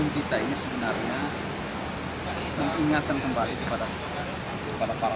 pemimpin fahri adalah pemimpin fahri dari partai keadilan sejahtera